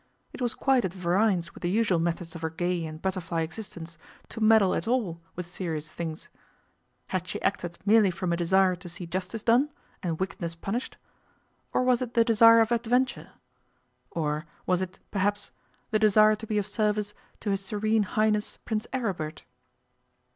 It was quite at variance with the usual methods of her gay and butterfly existence to meddle at all with serious things. Had she acted merely from a desire to see justice done and wickedness punished? Or was it the desire of adventure? Or was it, perhaps, the desire to be of service to His Serene Highness Prince Aribert?